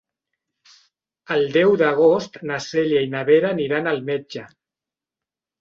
El deu d'agost na Cèlia i na Vera aniran al metge.